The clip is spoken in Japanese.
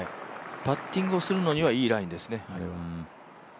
パッティングをするのにはいいラインですね。